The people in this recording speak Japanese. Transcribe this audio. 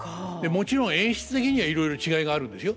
もちろん演出的にはいろいろ違いがあるんですよ。